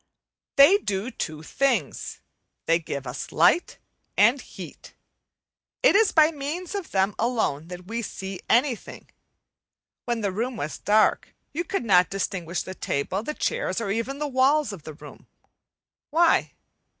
They do two things they give us light and heat. It is by means of them alone that we see anything. When the room was dark you could not distinguish the table, the chairs, or even the walls of the room. Why?